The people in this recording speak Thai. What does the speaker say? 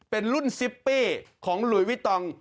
เป็นรุ่นซิปปี้ของหลุยวิตอง